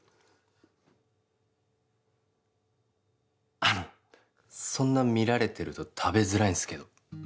あのそんな見られてると食べづらいんすけど